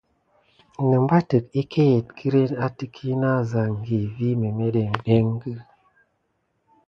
Nəbatek əkayet kiriŋ a təky na əzangya vi memeɗiŋɗeŋ.